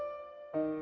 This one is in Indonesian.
pria ketemu dengan daya